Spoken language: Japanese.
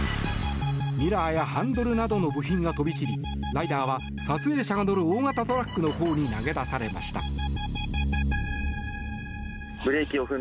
ミラーやハンドルなどの部品が飛び散りライダーは撮影者が乗る大型トラックのほうに投げ出されました。